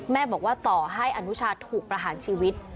แม่บอกว่าต่อให้อนุชาถูกประหารชีวิต